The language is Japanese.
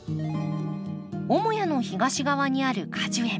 母屋の東側にある果樹園。